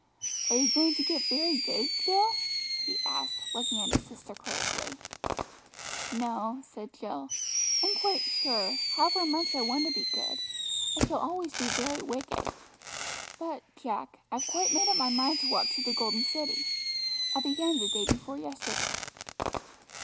"Are you going to get very good, Jill?" he asked, looking at his sister critically. "No," said Jill, "I'm quite sure, however much I want to be good, I shall always be very wicked. But, Jack, I've quite made up my mind to walk to the Golden City; I began the day before yesterday."